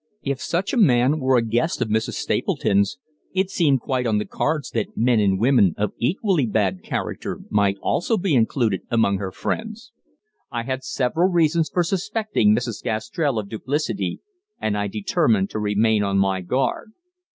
If such a man were a guest of Mrs. Stapleton's it seemed quite on the cards that men and women of equally bad character might also be included among her friends. I had several reasons for suspecting Mrs. Gastrell of duplicity, and I determined to remain on my guard.